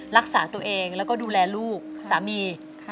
รักษาตัวเองแล้วก็ดูแลลูกสามี